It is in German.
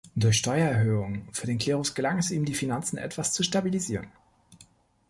Durch Steuererhöhungen für den Klerus gelang es ihm, die Finanzen etwas zu stabilisieren.